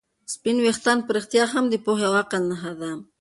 سپین ویښتان په رښتیا هم د پوهې او عقل نښه ده.